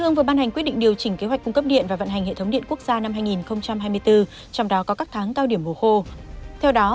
đối với kế hoạch cung cấp điện cho mùa khô trong các tháng bốn năm sáu và bảy